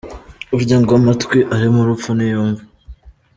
Burya ngo amatwi arimo urupfu ntiyumva.